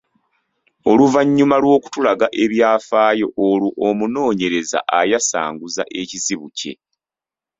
Oluvannyuma lw’okutulaga ebyafaayo, olwo omunoonyereza ayasanguza ekizibu kye.